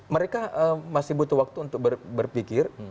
mereka masih butuh waktu untuk berpikir